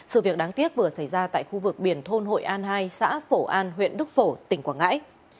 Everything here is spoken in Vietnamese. sự việc đáng tiếc vừa xảy ra tại khu vực biển thôn hội an hai xã phổ an huyện đức phổ tỉnh quảng ngãi